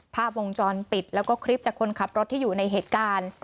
ภาพวงจรปิดแล้วก็คลิปจากคนขับรถที่อยู่ในเหตุการณ์